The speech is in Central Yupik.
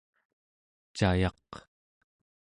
cayaq